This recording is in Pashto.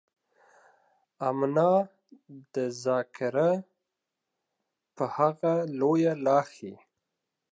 امنا ده ذاکره په هغه لويه لاښي.